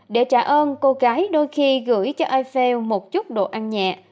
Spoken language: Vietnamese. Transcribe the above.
để trả ơn cô gái đôi khi gửi cho ifael một chút đồ ăn nhẹ